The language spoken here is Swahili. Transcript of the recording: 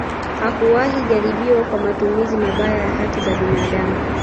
Hakuwahi jaribiwa kwa matumizi mabaya ya haki za binadamu